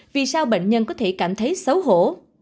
vì sao bệnh nhân có thể cảm thấy xấu hổ